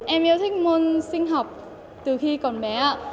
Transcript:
em yêu thích môn sinh học từ khi còn bé ạ